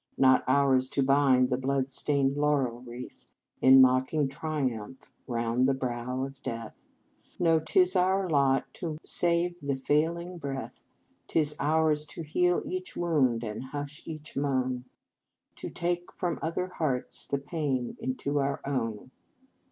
Not ours to bind the blood stained laurel wreath In mocking triumph round the brow of death. No ! t is our lot to save the failing breath, T is ours to heal each wound, and hush each moan, To take from other hearts the pain into our own."